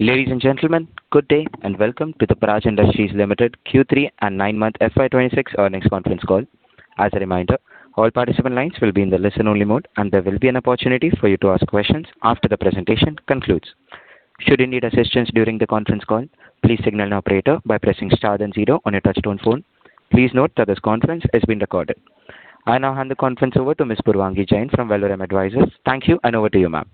Ladies and gentlemen, good day, and welcome to the Praj Industries Limited Q3 and nine-month FY 2026 earnings conference call. As a reminder, all participant lines will be in the listen-only mode, and there will be an opportunity for you to ask questions after the presentation concludes. Should you need assistance during the conference call, please signal an operator by pressing star then zero on your touchtone phone. Please note that this conference is being recorded. I now hand the conference over to Ms. Purvangi Jain from Valorem Advisors. Thank you, and over to you, ma'am.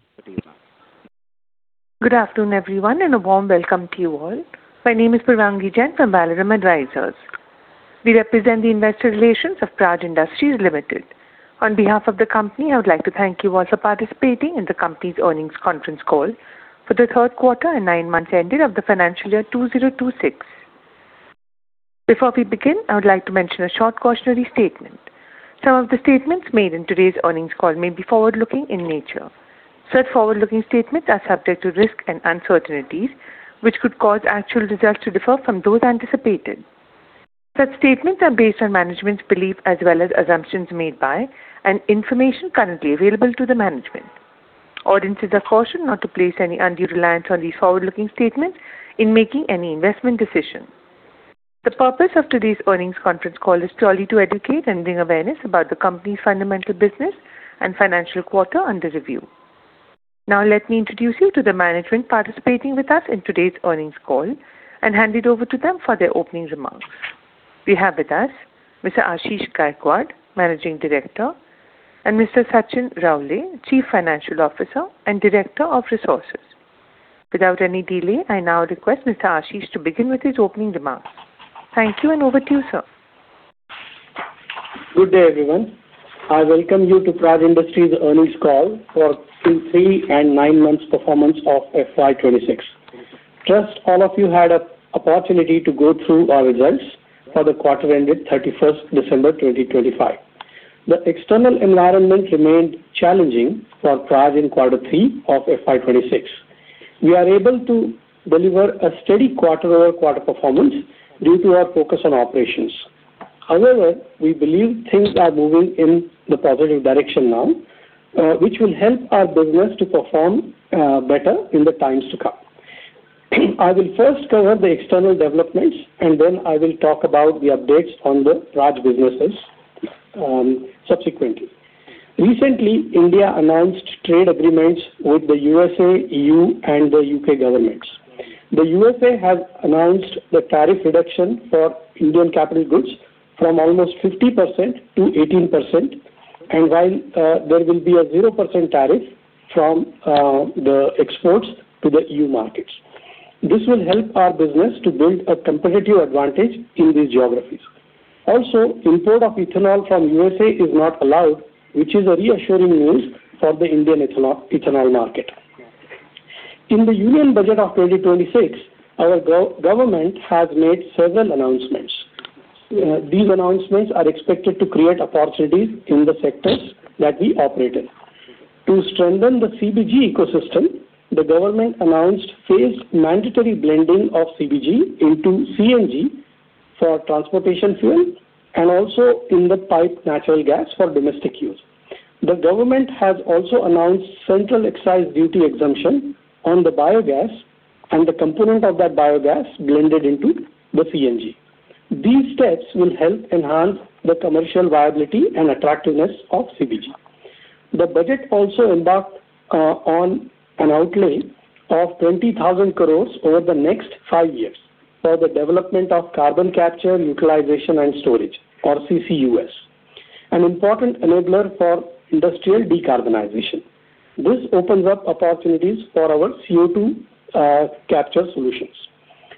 Good afternoon, everyone, and a warm welcome to you all. My name is Purvangi Jain from Valorem Advisors. We represent the investor relations of Praj Industries Limited. On behalf of the company, I would like to thank you all for participating in the company's earnings conference call for the third quarter and nine months ending of the financial year 2026. Before we begin, I would like to mention a short cautionary statement. Some of the statements made in today's earnings call may be forward-looking in nature. Such forward-looking statements are subject to risks and uncertainties, which could cause actual results to differ from those anticipated. Such statements are based on management's belief as well as assumptions made by, and information currently available to the management. Audiences are cautioned not to place any undue reliance on these forward-looking statements in making any investment decisions. The purpose of today's earnings conference call is solely to educate and bring awareness about the company's fundamental business and financial quarter under review. Now, let me introduce you to the management participating with us in today's earnings call and hand it over to them for their opening remarks. We have with us Mr. Ashish Gaikwad, Managing Director, and Mr. Sachin Raole, Chief Financial Officer and Director of Resources. Without any delay, I now request Mr. Ashish to begin with his opening remarks. Thank you, and over to you, sir. Good day, everyone. I welcome you to Praj Industries earnings call for Q3 and nine months performance of FY 2026. Trust all of you had a opportunity to go through our results for the quarter ended 31st December 2025. The external environment remained challenging for Praj in quarter three of FY 2026. We are able to deliver a steady quarter-over-quarter performance due to our focus on operations. However, we believe things are moving in the positive direction now, which will help our business to perform better in the times to come. I will first cover the external developments, and then I will talk about the updates on the Praj businesses, subsequently. Recently, India announced trade agreements with the USA, E.U., and the U.K. governments. The USA has announced the tariff reduction for Indian capital goods from almost 50%-18%, and while there will be a 0% tariff from the exports to the E.U. markets. This will help our business to build a competitive advantage in these geographies. Also, import of ethanol from USA is not allowed, which is a reassuring news for the Indian ethanol market. In the Union Budget of 2026, our government has made several announcements. These announcements are expected to create opportunities in the sectors that we operate in. To strengthen the CBG ecosystem, the government announced phased mandatory blending of CBG into CNG for transportation fuel and also in the piped natural gas for domestic use. The government has also announced central excise duty exemption on the biogas and the component of that biogas blended into the CNG. These steps will help enhance the commercial viability and attractiveness of CBG. The budget also embarked on an outlay of 20,000 crore over the next five years for the development of carbon capture, utilization, and storage, or CCUS, an important enabler for industrial decarbonization. This opens up opportunities for our CO2 capture solutions.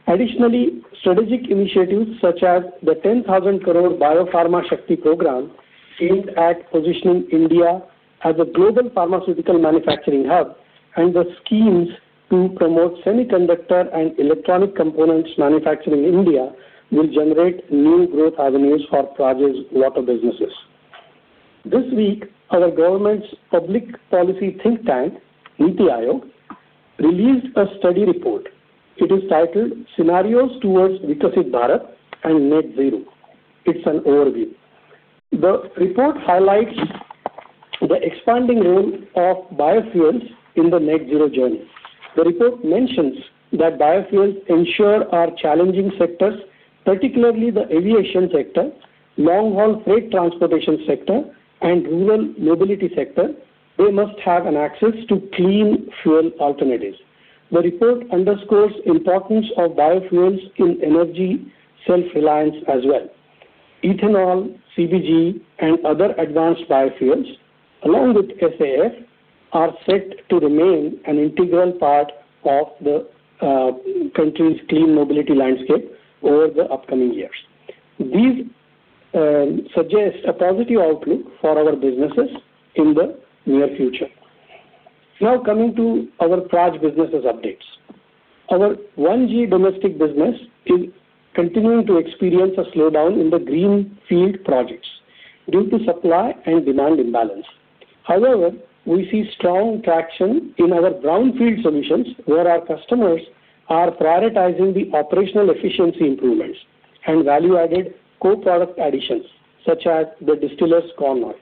Additionally, strategic initiatives such as the 10,000 crore Biopharma Shakti program, aimed at positioning India as a global pharmaceutical manufacturing hub, and the schemes to promote semiconductor and electronic components manufacturing in India, will generate new growth avenues for Praj's water businesses. This week, our government's public policy think tank, NITI Aayog, released a study report. It is titled Scenarios towards Viksit Bharat and Net Zero. It's an overview. The report highlights the expanding role of biofuels in the net zero journey. The report mentions that biofuels ensure our challenging sectors, particularly the aviation sector, long-haul freight transportation sector, and rural mobility sector, they must have an access to clean fuel alternatives. The report underscores importance of biofuels in energy self-reliance as well. Ethanol, CBG, and other advanced biofuels, along with SAF, are set to remain an integral part of the country's clean mobility landscape over the upcoming years. These suggest a positive outlook for our businesses in the near future. Now, coming to our Praj businesses updates. Our 1G domestic business is continuing to experience a slowdown in the greenfield projects due to supply and demand imbalance. However, we see strong traction in our brownfield solutions, where our customers are prioritizing the operational efficiency improvements and value-added co-product additions, such as the distillers corn oil.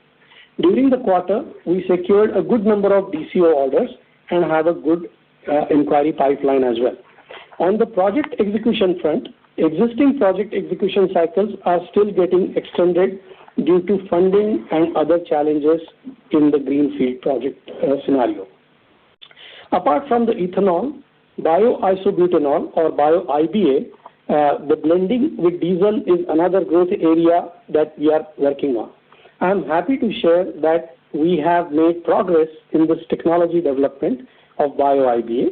During the quarter, we secured a good number of DCO orders and have a good, inquiry pipeline as well. On the project execution front, existing project execution cycles are still getting extended due to funding and other challenges in the greenfield project, scenario. Apart from the ethanol, bio-isobutanol or Bio-IBA, the blending with diesel is another growth area that we are working on. I'm happy to share that we have made progress in this technology development of Bio-IBA,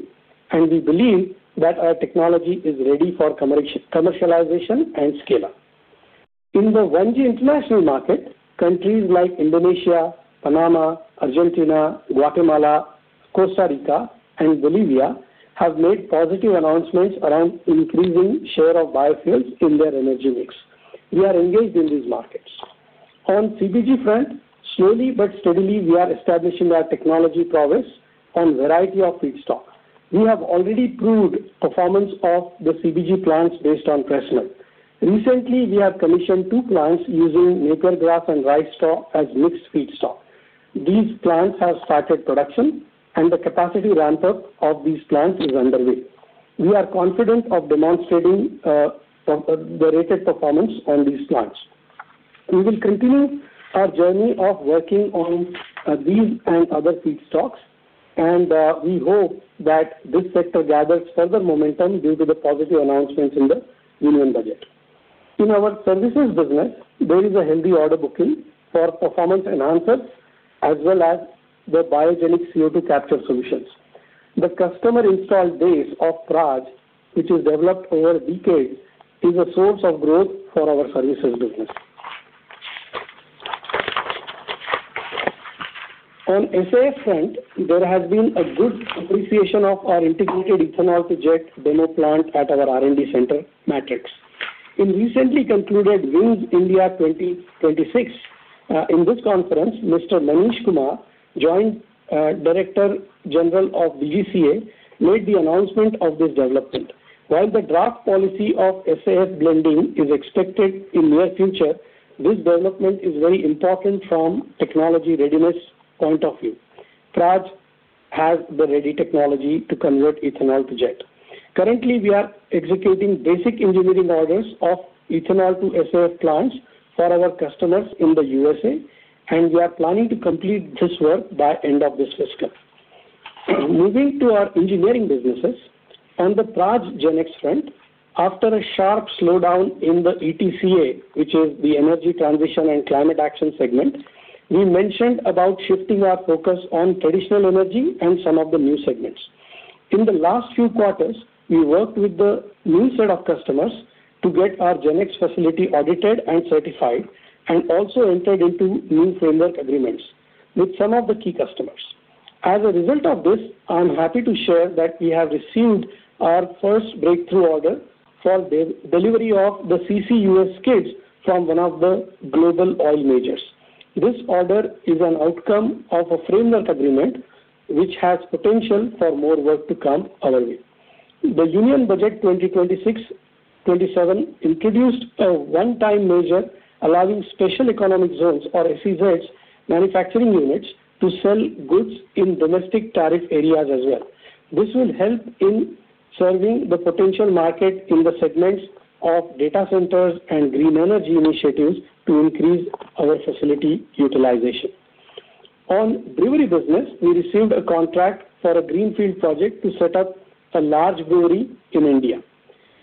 and we believe that our technology is ready for commercialization and scale-up. In the 1G international market, countries like Indonesia, Panama, Argentina, Guatemala, Costa Rica, and Bolivia have made positive announcements around increasing share of biofuels in their energy mix. We are engaged in these markets. On CBG front, slowly but steadily, we are establishing our technology prowess on variety of feedstock. We have already proved performance of the CBG plants based on sugarcane. Recently, we have commissioned two plants using Napier Grass and rice straw as mixed feedstock. These plants have started production, and the capacity ramp-up of these plants is underway. We are confident of demonstrating the rated performance on these plants. We will continue our journey of working on these and other feedstocks, and we hope that this sector gathers further momentum due to the positive announcements in the Union Budget. In our services business, there is a healthy order booking for performance enhancers as well as the biogenic CO2 capture solutions. The customer install base of Praj, which is developed over decades, is a source of growth for our services business. On SAF front, there has been a good appreciation of our integrated ethanol-to-jet demo plant at our R&D center, Matrix. In recently concluded Wings India 2026, in this conference, Mr. Maneesh Kumar, Joint Director General of DGCA, made the announcement of this development. While the draft policy of SAF blending is expected in near future, this development is very important from technology readiness point of view. Praj has the ready technology to convert ethanol to jet. Currently, we are executing basic Engineering orders of ethanol to SAF plants for our customers in the USA, and we are planning to complete this work by end of this fiscal. Moving to our Engineering businesses. On the Praj GenX front, after a sharp slowdown in the ETCA, which is the Energy Transition and Climate Action segment, we mentioned about shifting our focus on traditional energy and some of the new segments. In the last few quarters, we worked with the new set of customers to get our GenX facility audited and certified, and also entered into new framework agreements with some of the key customers. As a result of this, I'm happy to share that we have received our first breakthrough order for delivery of the CCUS kits from one of the global oil majors. This order is an outcome of a framework agreement, which has potential for more work to come our way. The Union Budget 2026-2027 introduced a one-time measure, allowing Special Economic Zones, or SEZs, manufacturing units to sell goods in domestic tariff areas as well. This will help in serving the potential market in the segments of data centers and green energy initiatives to increase our facility utilization. On brewery business, we received a contract for a greenfield project to set up a large brewery in India.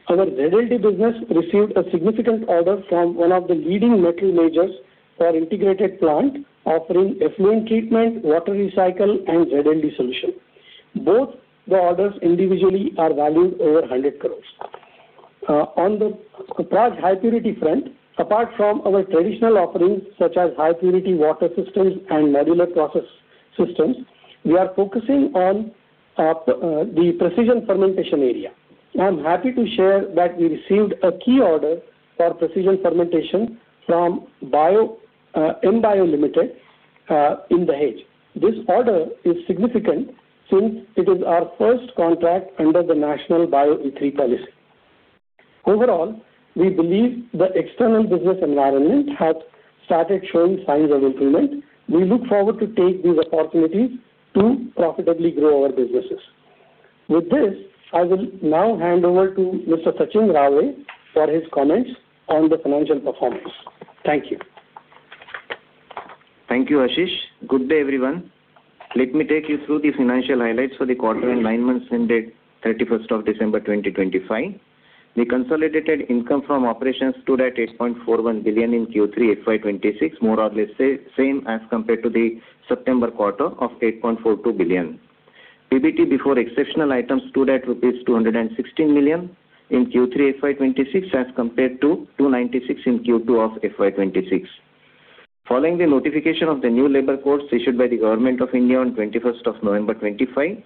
Our ZLD business received a significant order from one of the leading metal majors for integrated plant, offering effluent treatment, water recycle, and ZLD solution. Both the orders individually are valued over 100 crore. On the Praj HiPurity front, apart from our traditional offerings, such as high purity water systems and modular process systems, we are focusing on the precision fermentation area. I'm happy to share that we received a key order for precision fermentation from Embio Limited in Dahej. This order is significant since it is our first contract under the National Bio-Energy Policy. Overall, we believe the external business environment has started showing signs of improvement. We look forward to take these opportunities to profitably grow our businesses. With this, I will now hand over to Mr. Sachin Raole for his comments on the financial performance. Thank you. Thank you, Ashish. Good day, everyone. Let me take you through the financial highlights for the quarter and nine months ended 31st December 2025. The consolidated income from operations stood at $8.41 billion in Q3 FY 2026, more or less same as compared to the September quarter of $8.42 billion. PBT, before exceptional items, stood at rupees 216 million in Q3 FY 2026 as compared to 296 in Q2 of FY 2026. Following the notification of the new labor codes issued by the Government of India on 21st November 2025,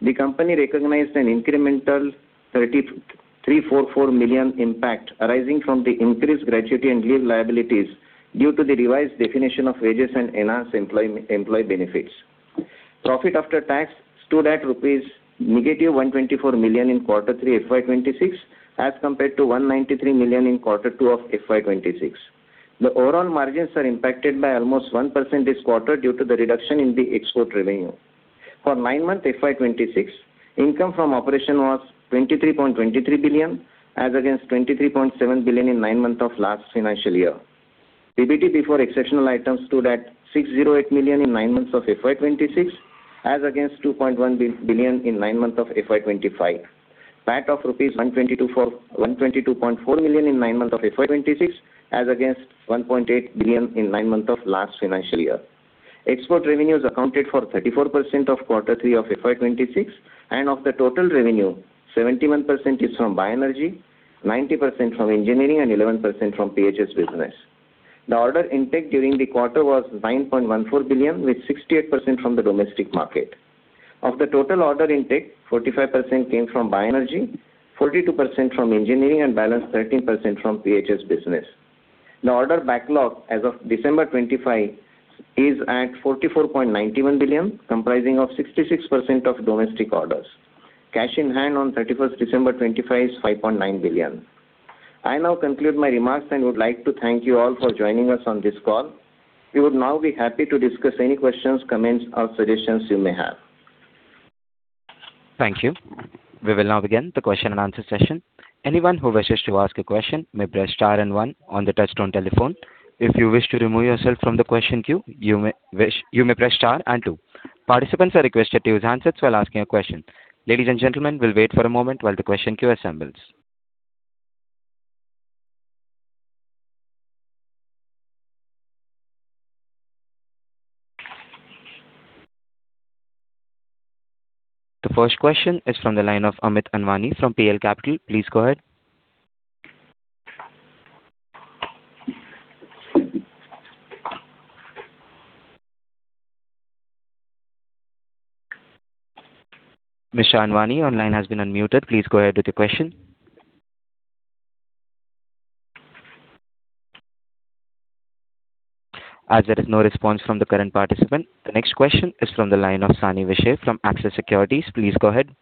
the company recognized an incremental 33.44 million impact arising from the increased gratuity and leave liabilities due to the revised definition of wages and enhanced employee benefits. Profit after tax stood at -124 million rupees in quarter three FY 2026, as compared to 193 million in quarter two of FY 2026. The overall margins are impacted by almost 1% this quarter due to the reduction in the export revenue. For nine months, FY 2026, income from operations was 23.23 billion, as against 23.7 billion in nine months of last financial year. PBT before exceptional items stood at 608 million in nine months of FY 2026, as against 2.1 billion in nine months of FY 2025. PAT of rupees 122.4 million in nine months of FY 2026, as against 1.8 billion in nine months of last financial year. Export revenues accounted for 34% of quarter 3 of FY 2026, and of the total revenue, 71% is from BioEnergy, 90% from Engineering, and 11% from PHS business. The order intake during the quarter was 9.14 billion, with 68% from the domestic market. Of the total order intake, 45% came from BioEnergy, 42% from Engineering, and balance 13% from PHS business. The order backlog as of December 2025 is at 44.91 billion, comprising of 66% of domestic orders. Cash in hand on 31st December 2025 is 5.9 billion. I now conclude my remarks and would like to thank you all for joining us on this call. We would now be happy to discuss any questions, comments, or suggestions you may have. Thank you. We will now begin the question-and-answer session. Anyone who wishes to ask a question may press star and one on the touchtone telephone. If you wish to remove yourself from the question queue, you may press star and two. Participants are requested to use handsets while asking a question. Ladies and gentlemen, we'll wait for a moment while the question queue assembles. The first question is from the line of Amit Anwani from PL Capital. Please go ahead. Mr. Anwani, your line has been unmuted. Please go ahead with your question. As there is no response from the current participant, the next question is from the line of Sani Vishe from Axis Securities. Please go ahead.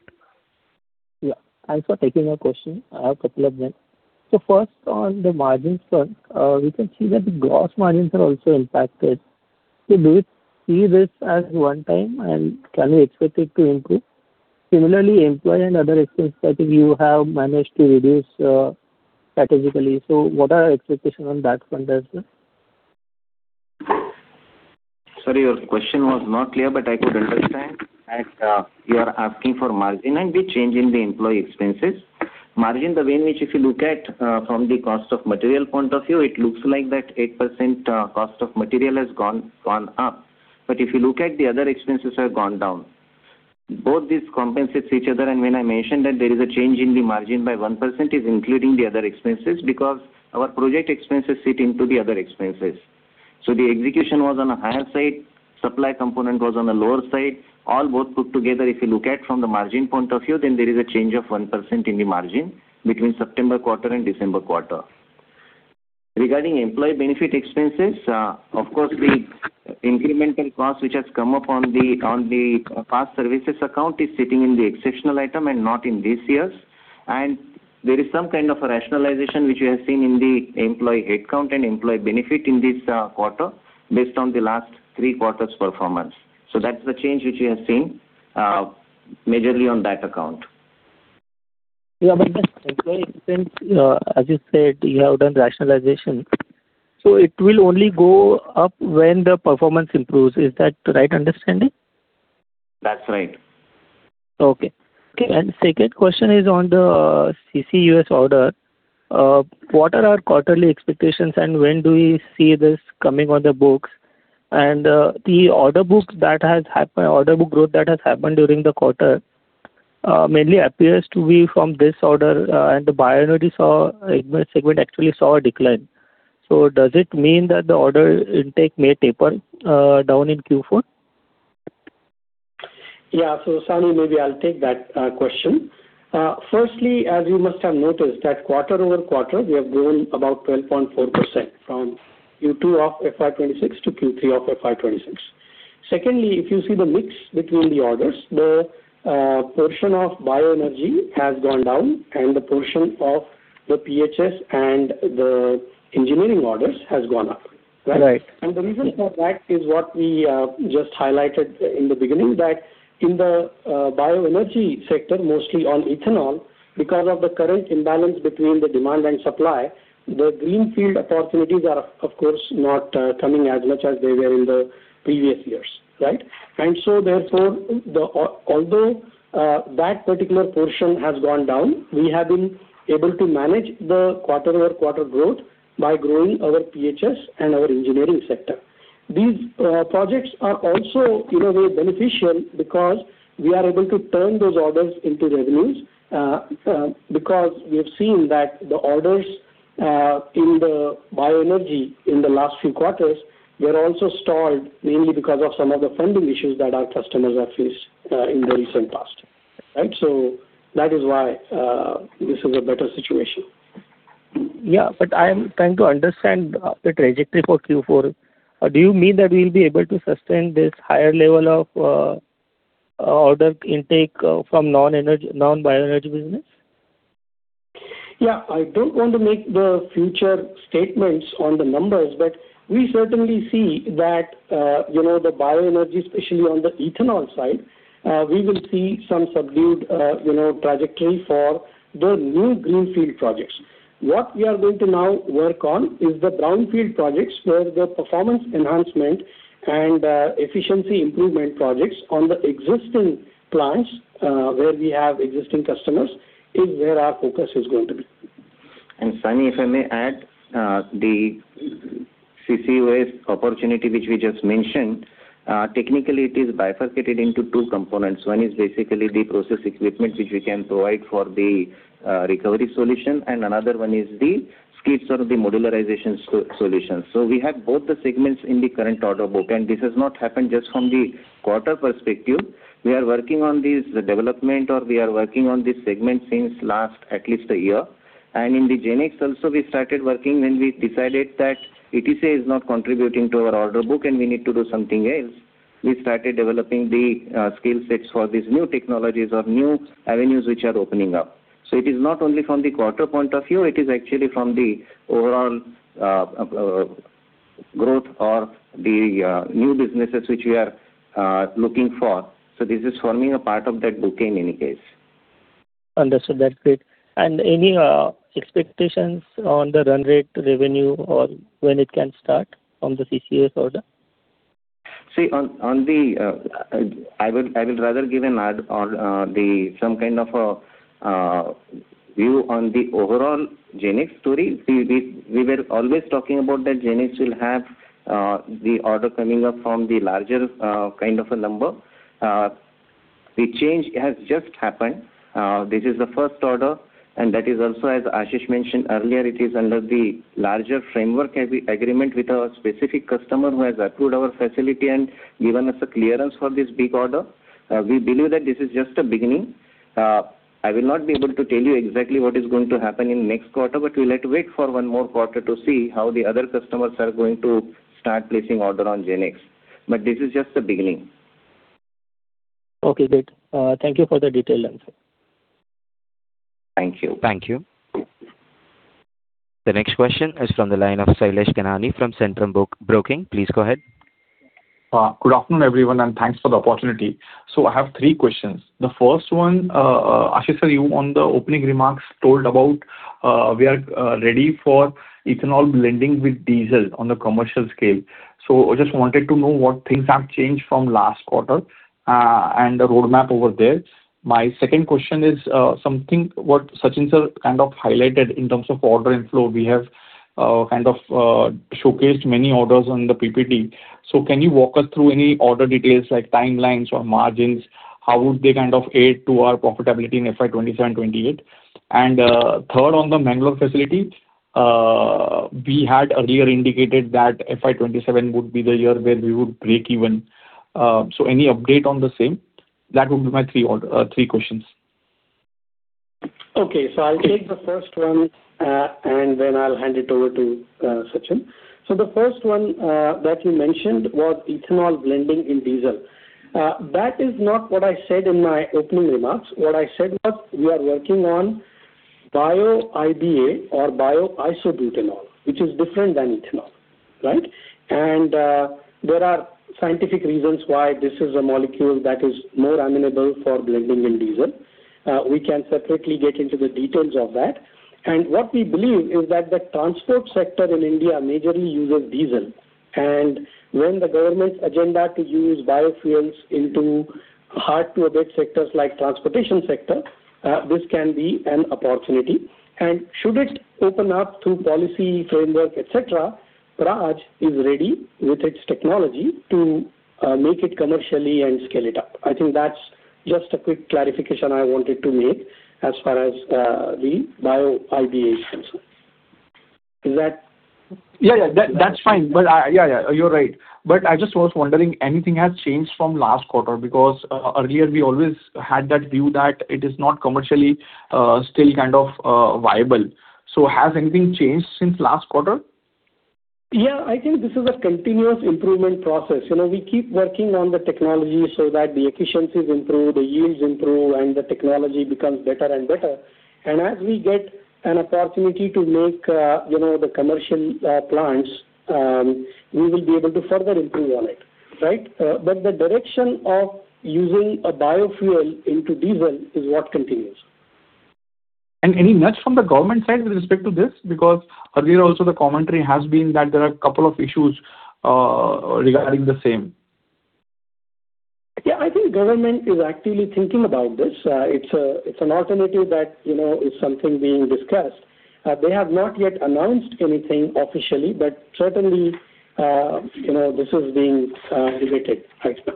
Yeah. Thanks for taking my question. I have a couple of them. So first, on the margins front, we can see that the gross margins are also impacted. So do you see this as one time, and can we expect it to improve? Similarly, employee and other expenses, I think you have managed to reduce, strategically. So what are our expectations on that front as well? Sorry, your question was not clear, but I could understand that you are asking for margin and the change in the employee expenses. Margin, the way in which if you look at from the cost of material point of view, it looks like that 8% cost of material has gone, gone up. But if you look at the other expenses have gone down. Both these compensates each other, and when I mentioned that there is a change in the margin by 1%, is including the other expenses, because our project expenses sit into the other expenses. So the execution was on a higher side, supply component was on a lower side. All both put together, if you look at from the margin point of view, then there is a change of 1% in the margin between September quarter and December quarter. Regarding employee benefit expenses, of course, the incremental cost which has come up on the, on the past services account is sitting in the exceptional item and not in this year's. There is some kind of a rationalization, which we have seen in the employee headcount and employee benefit in this quarter, based on the last three quarters' performance. That's the change which we have seen majorly on that account. Yeah, but the employee expense, as you said, you have done rationalization, so it will only go up when the performance improves. Is that the right understanding? That's right. Okay. Okay, and second question is on the CCUS order. What are our quarterly expectations, and when do we see this coming on the books? And the order books that has happened, order book growth that has happened during the quarter mainly appears to be from this order, and the BioEnergy segment actually saw a decline. So does it mean that the order intake may taper down in Q4? Yeah. So Sani, maybe I'll take that question. Firstly, as you must have noticed, that quarter-over-quarter, we have grown about 12.4% from Q2 of FY 2026 to Q3 of FY 2026. Secondly, if you see the mix between the orders, the portion of BioEnergy has gone down, and the portion of the PHS and the Engineering orders has gone up. Right. The reason for that is what we just highlighted in the beginning, that in the BioEnergy sector, mostly on ethanol, because of the current imbalance between the demand and supply, the greenfield opportunities are, of course, not coming as much as they were in the previous years, right? So therefore, although that particular portion has gone down, we have been able to manage the quarter-over-quarter growth by growing our PHS and our Engineering sector. These projects are also in a way beneficial because we are able to turn those orders into revenues, because we have seen that the orders in the BioEnergy in the last few quarters were also stalled, mainly because of some of the funding issues that our customers have faced in the recent past. Right? That is why this is a better situation. Yeah, but I am trying to understand the trajectory for Q4. Do you mean that we'll be able to sustain this higher level of order intake from non-energy - non-BioEnergy business? Yeah. I don't want to make the future statements on the numbers, but we certainly see that, you know, the BioEnergy, especially on the ethanol side, we will see some subdued, you know, trajectory for the new greenfield projects. What we are going to now work on is the brownfield projects, where the performance enhancement and, efficiency improvement projects on the existing plants, where we have existing customers, is where our focus is going to be. Sani, if I may add, the CC waste opportunity, which we just mentioned, technically it is bifurcated into two components. One is basically the process equipment, which we can provide for the recovery solution, and another one is the skills or the modularization solution. So we have both the segments in the current order book, and this has not happened just from the quarter perspective. We are working on this development, or we are working on this segment since last, at least a year. And in the GenX also, we started working when we decided that ETCA is not contributing to our order book and we need to do something else. We started developing the skill sets for these new technologies or new avenues which are opening up. So it is not only from the quarter point of view, it is actually from the overall growth or the new businesses which we are looking for. So this is forming a part of that book in any case. Understood. That's great. And any expectations on the run rate revenue or when it can start on the CCS order? See, on the, I will rather give an add-on, some kind of a view on the overall GenX story. See, we were always talking about that GenX will have the order coming up from the larger kind of a number. The change has just happened. This is the first order, and that is also, as Ashish mentioned earlier, it is under the larger framework agreement with our specific customer who has approved our facility and given us a clearance for this big order. We believe that this is just a beginning. I will not be able to tell you exactly what is going to happen in next quarter, but we'll have to wait for one more quarter to see how the other customers are going to start placing order on GenX. But this is just the beginning. Okay, great. Thank you for the detailed answer. Thank you. Thank you. The next question is from the line of Shailesh Kanani from Centrum Broking. Please go ahead. Good afternoon, everyone, and thanks for the opportunity. So I have three questions. The first one, Ashish, sir, you on the opening remarks, told about, we are ready for ethanol blending with diesel on the commercial scale. So I just wanted to know what things have changed from last quarter, and the roadmap over there. My second question is, something what Sachin, sir, kind of highlighted in terms of order inflow. We have kind of showcased many orders on the PPT. So can you walk us through any order details like timelines or margins? How would they kind of aid to our profitability in FY 2027, 2028? And third, on the Bengaluru facility, we had earlier indicated that FY 2027 would be the year where we would break even. So any update on the same? That would be my three questions. Okay. So I'll take the first one, and then I'll hand it over to Sachin. So the first one that you mentioned was ethanol blending in diesel. That is not what I said in my opening remarks. What I said was, we are working on Bio-IBA or bio-isobutanol, which is different than ethanol, right? And there are scientific reasons why this is a molecule that is more amenable for blending in diesel. We can separately get into the details of that. And what we believe is that the transport sector in India majorly uses diesel. And when the government's agenda to use biofuels into hard-to-abate sectors like transportation sector, this can be an opportunity. And should it open up to policy framework, et cetera, Praj is ready with its technology to make it commercially and scale it up. I think that's just a quick clarification I wanted to make as far as, the Bio-IBA is concerned. Is that- Yeah, yeah, that's fine. But I... Yeah, yeah, you're right. But I just was wondering, anything has changed from last quarter? Because earlier we always had that view that it is not commercially still kind of viable. So has anything changed since last quarter? Yeah, I think this is a continuous improvement process. You know, we keep working on the technology so that the efficiencies improve, the yields improve, and the technology becomes better and better. And as we get an opportunity to make the commercial plants, we will be able to further improve on it, right? But the direction of using a biofuel into diesel is what continues. Any nudge from the government side with respect to this? Because earlier also the commentary has been that there are a couple of issues, regarding the same. Yeah, I think government is actively thinking about this. It's an alternative that, you know, is something being discussed. They have not yet announced anything officially, but certainly, you know, this is being debated right now.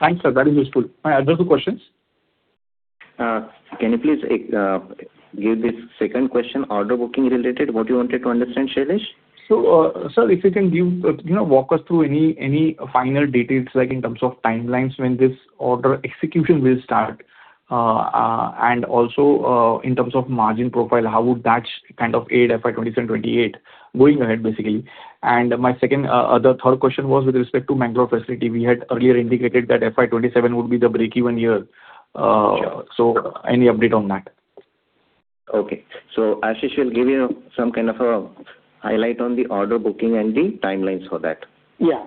Thanks, sir. That is useful. My other two questions? Can you please give the second question, order booking related, what you wanted to understand, Shailesh? So, sir, if you can give, you know, walk us through any, any final details, like in terms of timelines, when this order execution will start? And also, in terms of margin profile, how would that kind of aid FY 2027, 2028 going ahead, basically? And my second, the third question was with respect to Mangalore facility. We had earlier indicated that FY 2027 would be the break-even year. Sure. Any update on that? Okay. Ashish will give you some kind of a highlight on the order booking and the timelines for that. Yeah.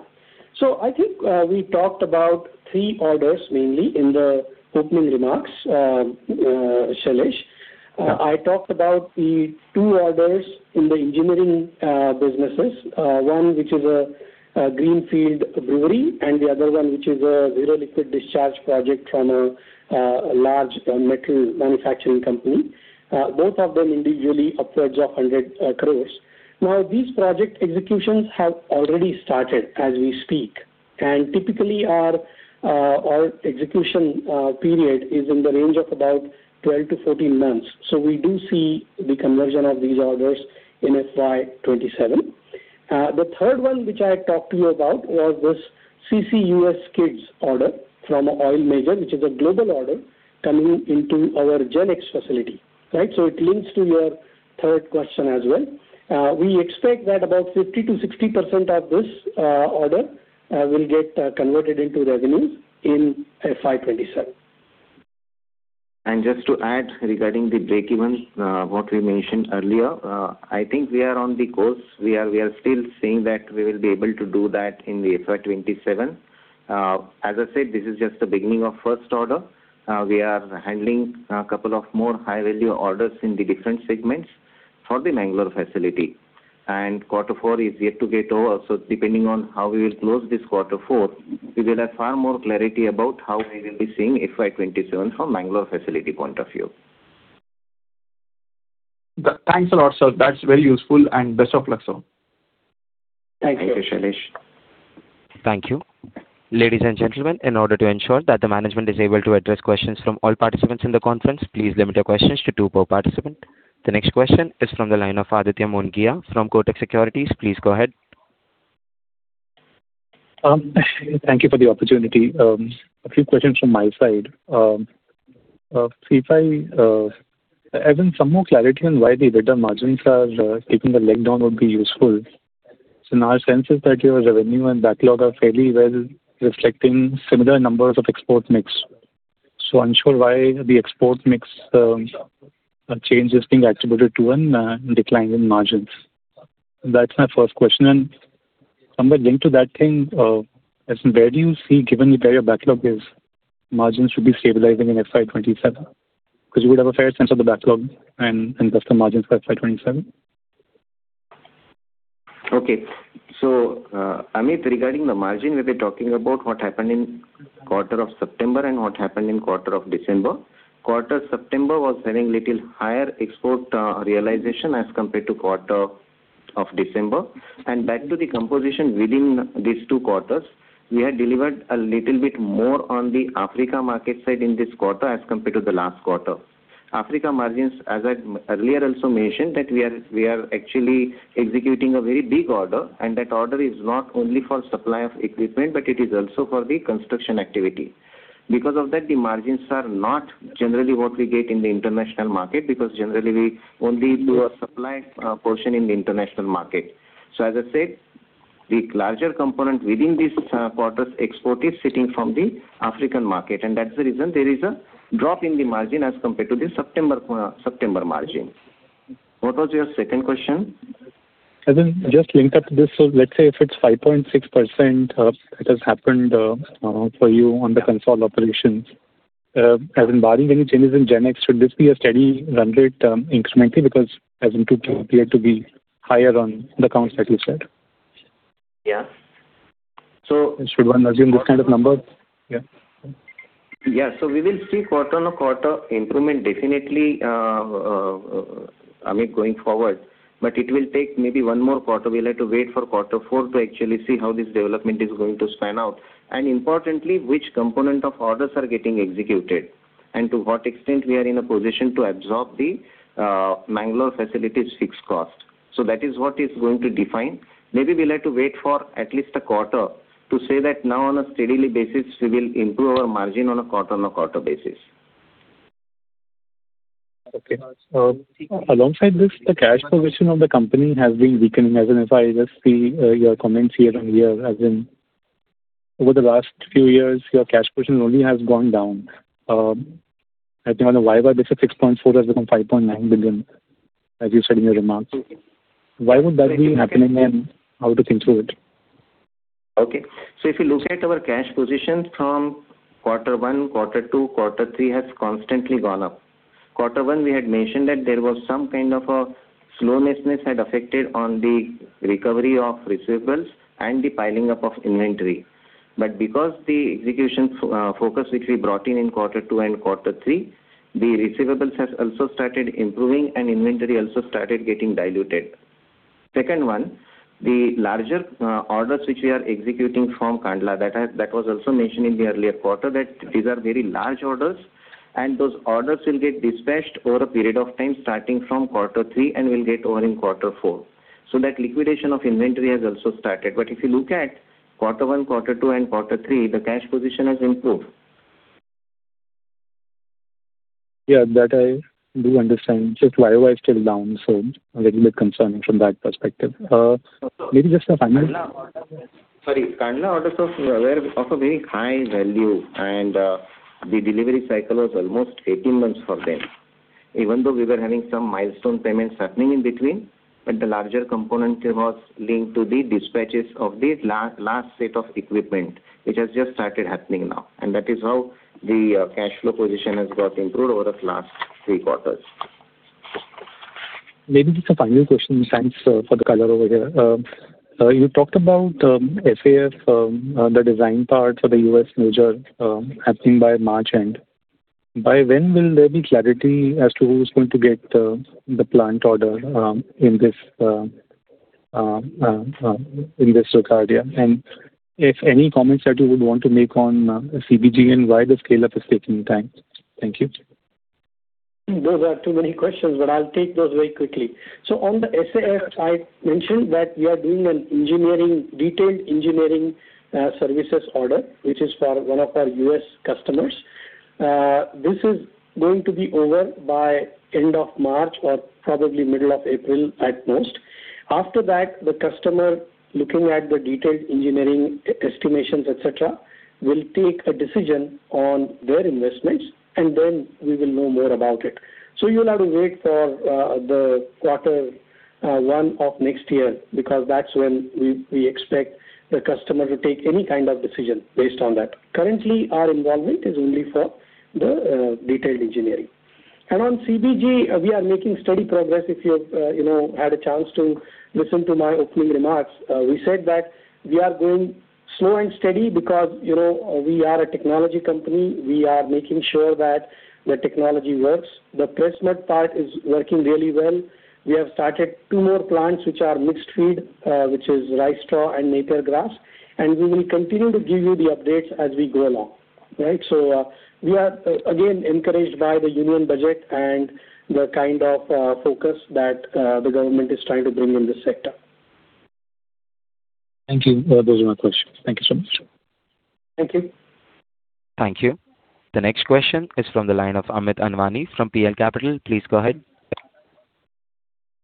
So I think, we talked about three orders, mainly in the opening remarks, Shailesh. I talked about the two orders in the Engineering, businesses. One, which is a, greenfield brewery, and the other one, which is a zero liquid discharge project from a, a large metal manufacturing company. Both of them individually upwards of 100 crore. Now, these project executions have already started as we speak, and typically our, our execution, period is in the range of about 12 to14 months. So we do see the conversion of these orders in FY 2027. The third one, which I had talked to you about, was this CCUS skids order from an oil major, which is a global order coming into our GenX facility, right? So it links to your third question as well. We expect that about 50%-60% of this order will get converted into revenues in FY 2027. Just to add, regarding the break-even, what we mentioned earlier, I think we are on the course. We are, we are still saying that we will be able to do that in the FY 2027. As I said, this is just the beginning of first order. We are handling a couple of more high-value orders in the different segments for the Mangalore facility. And Quarter Four is yet to get over, so depending on how we will close this Quarter Four, we will have far more clarity about how we will be seeing FY 2027 from Mangalore facility point of view. Thanks a lot, sir. That's very useful, and best of luck, sir. Thank you. Thank you, Shailesh. Thank you. Ladies and gentlemen, in order to ensure that the management is able to address questions from all participants in the conference, please limit your questions to two per participant. The next question is from the line of Aditya Mongia from Kotak Securities. Please go ahead. Thank you for the opportunity. A few questions from my side. If I even some more clarity on why the better margins are taking a leg down would be useful. In our sense is that your revenue and backlog are fairly well reflecting similar numbers of export mix. Unsure why the export mix change is being attributed to a decline in margins. That's my first question. Somewhere linked to that thing is where do you see, given where your backlog is, margins should be stabilizing in FY 2027? Because you would have a fair sense of the backlog and customer margins for FY 2027. Okay. So, Adit, regarding the margin, we've been talking about what happened in quarter of September and what happened in quarter of December. Quarter September was having little higher export realization as compared to quarter of December. And back to the composition within these two quarters, we had delivered a little bit more on the Africa market side in this quarter as compared to the last quarter. Africa margins, as I earlier also mentioned, that we are, we are actually executing a very big order, and that order is not only for supply of equipment, but it is also for the construction activity. Because of that, the margins are not generally what we get in the international market, because generally we only do a supply portion in the international market. So as I said, the larger component within this quarter's export is sitting from the African market, and that's the reason there is a drop in the margin as compared to the September margin. What was your second question? As in, just link up to this. So let's say if it's 5.6%, it has happened, for you on the consolidated operations, as in barring any changes in GenX, should this be a steady run rate, incrementally? Because as in to appear to be higher on the accounts that you said. Yeah. So- Should one assume this kind of number? Yeah. Yeah. So we will see quarter on a quarter improvement, definitely, Amit, going forward, but it will take maybe one more quarter. We'll have to wait for Quarter Four to actually see how this development is going to span out, and importantly, which component of orders are getting executed, and to what extent we are in a position to absorb the, Mangalore facility's fixed cost. So that is what is going to define. Maybe we'll have to wait for at least a quarter to say that now on a steadily basis, we will improve our margin on a quarter on a quarter basis. Okay. So alongside this, the cash position of the company has been weakening, as in if I just see, your comments year on year, as in over the last few years, your cash position only has gone down. I think on a YoY basis, 6.4 has become 5.9 billion, as you said in your remarks. Why would that be happening, and how to think through it? Okay. So if you look at our cash position from quarter one, quarter two, quarter three has constantly gone up. Quarter one, we had mentioned that there was some kind of a slowness had affected on the recovery of receivables and the piling up of inventory. But because the execution focus which we brought in, in quarter two and quarter three, the receivables has also started improving and inventory also started getting diluted. Second one, the larger orders which we are executing from Kandla, that has, that was also mentioned in the earlier quarter, that these are very large orders and those orders will get dispatched over a period of time, starting from quarter three, and will get over in quarter four. So that liquidation of inventory has also started. But if you look at quarter one, quarter two and quarter three, the cash position has improved. Yeah, that I do understand. Just why it was still down, so a little bit concerned from that perspective. Maybe just a final- Sorry, Kandla orders were of a very high value, and the delivery cycle was almost 18 months for them. Even though we were having some milestone payments happening in between, but the larger component was linked to the dispatches of the last set of equipment, which has just started happening now. And that is how the cash flow position has got improved over the last three quarters. Maybe just a final question. Thanks, for the color over here. You talked about, SAF, the design part for the US major, happening by March end. By when will there be clarity as to who is going to get, the plant order, in this, in this regard? And if any comments that you would want to make on, CBG and why the scale-up is taking time? Thank you. Those are too many questions, but I'll take those very quickly. So on the SAF, I mentioned that we are doing an Engineering, detailed Engineering, services order, which is for one of our U.S. customers. This is going to be over by end of March or probably middle of April at most. After that, the customer, looking at the detailed Engineering estimations, et cetera, will take a decision on their investments, and then we will know more about it. So you'll have to wait for the quarter one of next year, because that's when we expect the customer to take any kind of decision based on that. Currently, our involvement is only for the detailed Engineering. And on CBG, we are making steady progress. If you've, you know, had a chance to listen to my opening remarks, we said that we are going slow and steady because, you know, we are a technology company. We are making sure that the technology works. The placement part is working really well. We have started two more plants, which are mixed feed, which is rice straw and Napier Grass, and we will continue to give you the updates as we go along. Right? So, we are, again, encouraged by the Union Budget and the kind of focus that the government is trying to bring in this sector. Thank you. Those are my questions. Thank you so much. Thank you. Thank you. The next question is from the line of Amit Anwani from PL Capital. Please go ahead.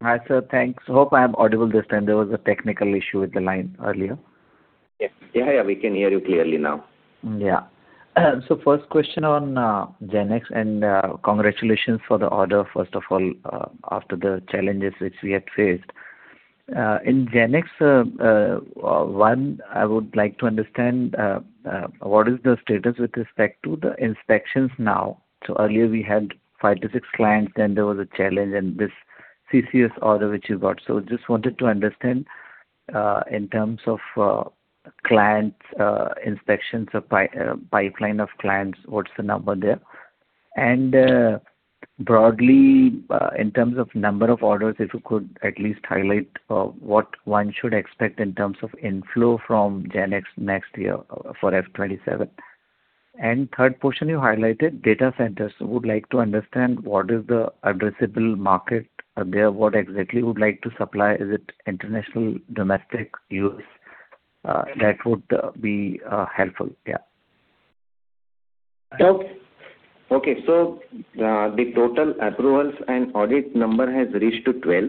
Hi, sir. Thanks. Hope I am audible this time. There was a technical issue with the line earlier. Yeah. Yeah, yeah, we can hear you clearly now. Yeah. So first question on GenX, and congratulations for the order, first of all, after the challenges which we had faced. In GenX, one, I would like to understand what is the status with respect to the inspections now? So earlier we had 5-6 clients, then there was a challenge, and this CCS order which you got. So just wanted to understand in terms of clients, inspections, pipeline of clients, what's the number there? And broadly in terms of number of orders, if you could at least highlight what one should expect in terms of inflow from GenX next year for FY 2027. And third portion you highlighted, data centers. Would like to understand what is the addressable market there? What exactly you would like to supply? Is it international, domestic use? That would be helpful. Yeah. Okay. So, the total approvals and audit number has reached to 12,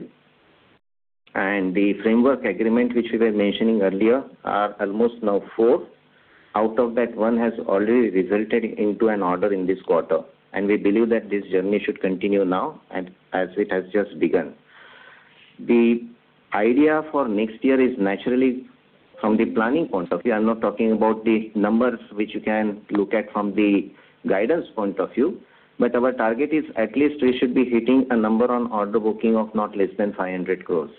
and the framework agreement, which we were mentioning earlier, are almost now four. Out of that, one has already resulted into an order in this quarter, and we believe that this journey should continue now, and as it has just begun. The idea for next year is naturally from the planning point of view. I'm not talking about the numbers which you can look at from the guidance point of view, but our target is at least we should be hitting a number on order booking of not less than 500 crore.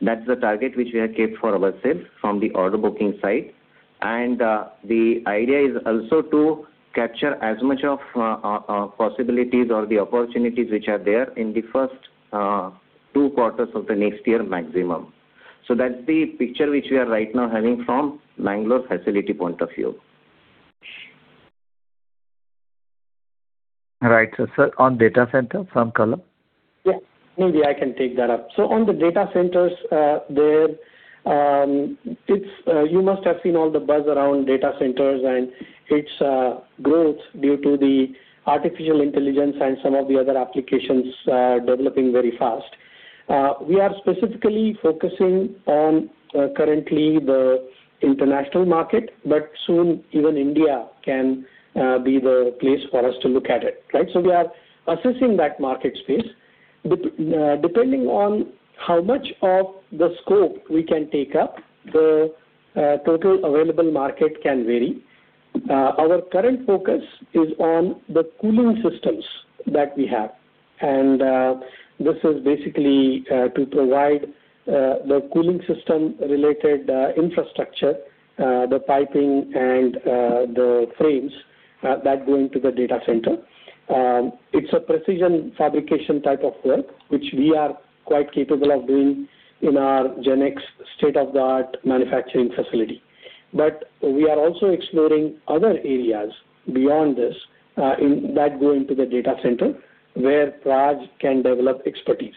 That's the target which we have kept for ourselves from the order booking side. And, the idea is also to capture as much of possibilities or the opportunities which are there in the first two quarters of the next year maximum. So that's the picture which we are right now having from Bengaluru facility point of view. Right. So, sir, on data center from Kalam? Yeah, maybe I can take that up. So on the data centers, there, it's, you must have seen all the buzz around data centers and its growth due to the artificial intelligence and some of the other applications developing very fast. We are specifically focusing on currently the international market, but soon even India can be the place for us to look at it, right? So we are assessing that market space. Depending on how much of the scope we can take up, the total available market can vary. Our current focus is on the cooling systems that we have, and this is basically to provide the cooling system related infrastructure, the piping and the frames that go into the data center. It's a precision fabrication type of work, which we are quite capable of doing in our GenX state-of-the-art manufacturing facility. But we are also exploring other areas beyond this, in that go into the data center, where Praj can develop expertise,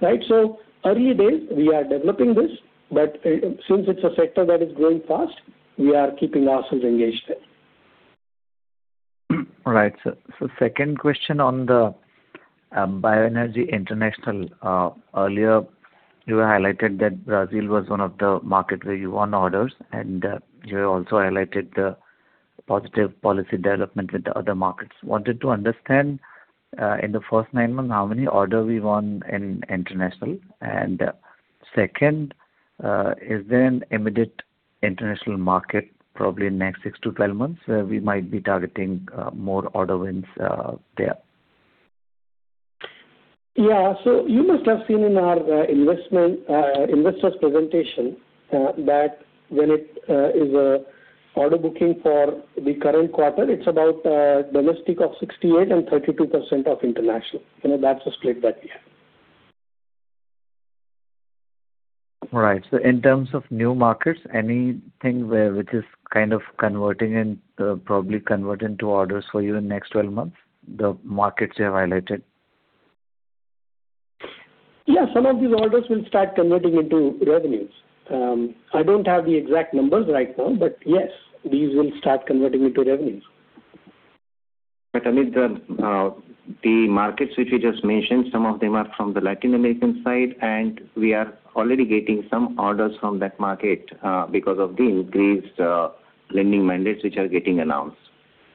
right? So early days, we are developing this, but, since it's a sector that is growing fast, we are keeping ourselves engaged there. All right, sir. So second question on the BioEnergy international. Earlier, you highlighted that Brazil was one of the market where you won orders, and you also highlighted the positive policy development with the other markets. Wanted to understand in the first nine months, how many order we won in international? And second, is there an immediate international market, probably in the next six to 12 months, where we might be targeting more order wins there? Yeah. So you must have seen in our, investment, investors presentation, that when it is order booking for the current quarter, it's about, domestic of 68 and 32% of international. You know, that's the split that we have. Right. So in terms of new markets, anything where which is kind of converting and, probably converting to orders for you in the next 12 months, the markets you have highlighted? Yeah, some of these orders will start converting into revenues. I don't have the exact numbers right now, but yes, these will start converting into revenues. But, Amit, the markets which you just mentioned, some of them are from the Latin American side, and we are already getting some orders from that market, because of the increased lending mandates which are getting announced.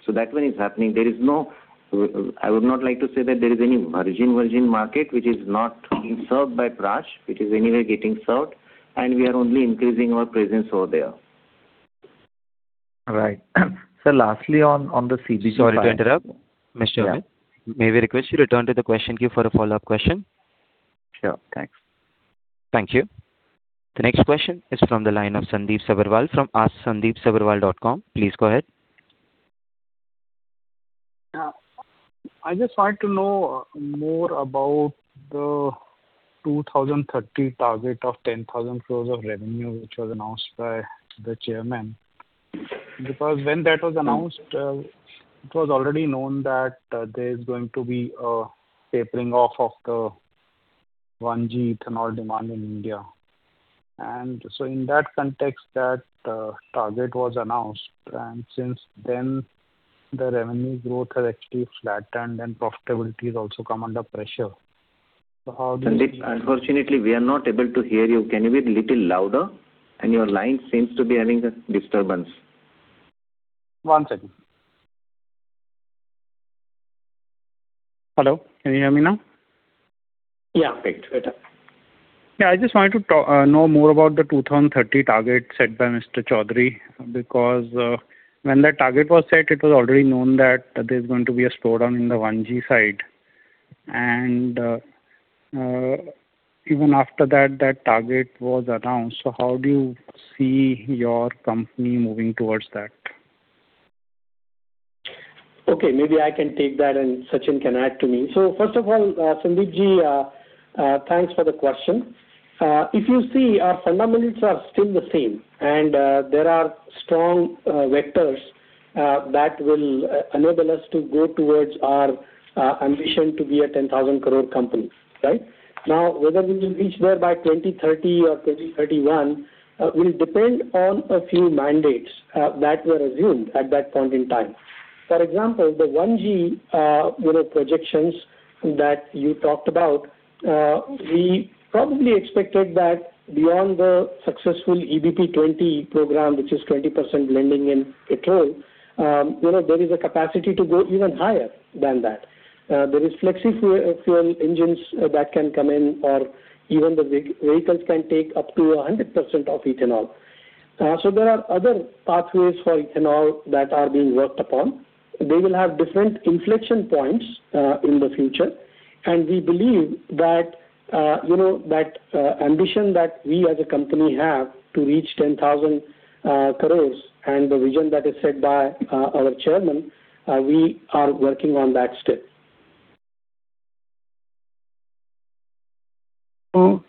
So that one is happening. There is no - I would not like to say that there is any virgin, virgin market which is not being served by Praj, which is anyway getting served, and we are only increasing our presence over there. All right. Lastly on the CBG- Sorry to interrupt, Mr. Chaudhari. Yeah. May we request you return to the question queue for a follow-up question? Sure. Thanks. Thank you. The next question is from the line of Sandeep Sabharwal from Asksandipsabharwal.com. Please go ahead. I just wanted to know more about the 2030 target of 10,000 crore of revenue, which was announced by the chairman. Because when that was announced, it was already known that there is going to be a tapering off of the 1G ethanol demand in India. And so in that context, that target was announced, and since then, the revenue growth has actually flattened and profitability has also come under pressure. So how do you- Sandeep, unfortunately, we are not able to hear you. Can you be a little louder? Your line seems to be having a disturbance. One second. Hello, can you hear me now? Yeah. Great, better. Yeah, I just wanted to know more about the 2030 target set by Mr. Chaudhari, because when that target was set, it was already known that there's going to be a slowdown in the 1G side. And even after that, that target was announced. So how do you see your company moving towards that? Okay, maybe I can take that, and Sachin can add to me. So first of all, Sandeep, thanks for the question. If you see, our fundamentals are still the same, and there are strong vectors that will enable us to go towards our ambition to be a 10,000 crore company, right? Now, whether we will reach there by 2030 or 2031 will depend on a few mandates that were assumed at that point in time. For example, the 1G, you know, projections that you talked about, we probably expected that beyond the successful EBP 20 program, which is 20% blending in petrol, you know, there is a capacity to go even higher than that. There is flexi-fuel engines that can come in, or even the vehicles can take up to 100% of ethanol. So there are other pathways for ethanol that are being worked upon. They will have different inflection points in the future. And we believe that, you know, that ambition that we as a company have to reach 10,000 crore, and the vision that is set by our chairman, we are working on that still. So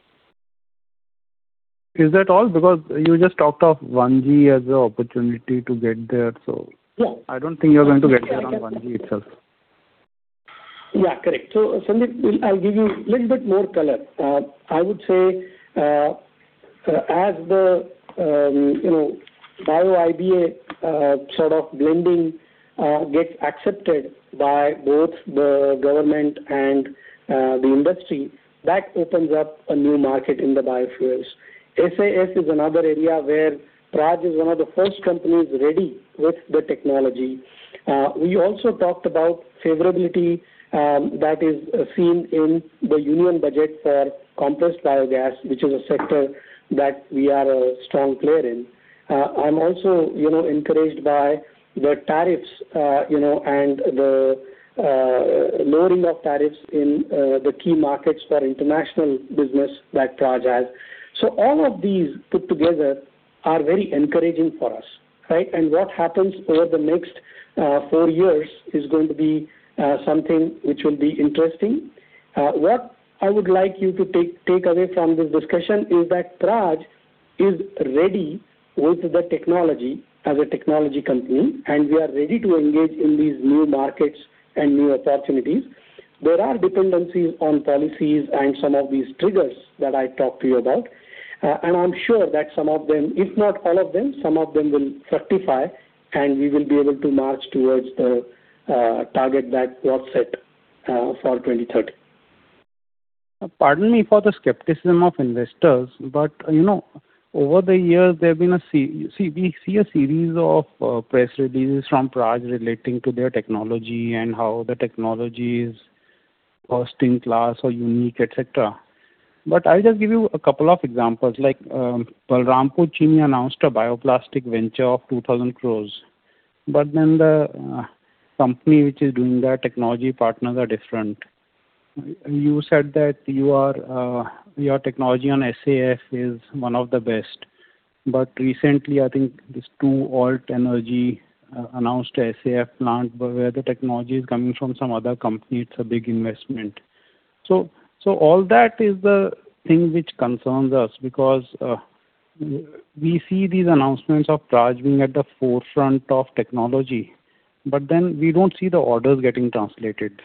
is that all? Because you just talked of 1G as an opportunity to get there, so- Yeah. I don't think you're going to get there on 1G itself. Yeah, correct. So Sandeep, I'll give you a little bit more color. I would say, as the, you know, Bio-IBA, sort of blending, gets accepted by both the government and, the industry, that opens up a new market in the biofuels. SAF is another area where Praj is one of the first companies ready with the technology. We also talked about favorability, that is seen in the Union Budget for compressed biogas, which is a sector that we are a strong player in. I'm also, you know, encouraged by the tariffs, you know, and the, lowering of tariffs in, the key markets for international business like Praj has. So all of these put together are very encouraging for us, right? And what happens over the next four years is going to be something which will be interesting. What I would like you to take, take away from this discussion is that Praj is ready with the technology as a technology company, and we are ready to engage in these new markets and new opportunities. There are dependencies on policies and some of these triggers that I talked to you about, and I'm sure that some of them, if not all of them, some of them will certify, and we will be able to march towards the target that was set for 2030. Pardon me for the skepticism of investors, but, you know, over the years, there have been we see a series of press releases from Praj relating to their technology and how the technology is first in class or unique, et cetera. But I'll just give you a couple of examples, like, Balrampur Chini announced a bioplastic venture of 2,000 crore. But then the company which is doing their technology partners are different. You said that you are your technology on SAF is one of the best. But recently, I think these TruAlt Energy announced SAF plant, but where the technology is coming from some other company, it's a big investment. So, all that is the thing which concerns us, because we see these announcements of Praj being at the forefront of technology, but then we don't see the orders getting translated.